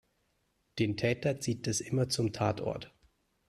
Den Täter zieht es immer zum Tatort.